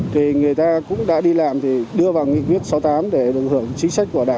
thì người ta cũng đã đi làm thì đưa vào nghị quyết sáu mươi tám để được hưởng chính sách của đảng